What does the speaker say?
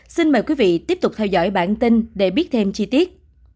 xin mời quý vị tiếp tục theo dõi bản tin để biết thêm chi tiết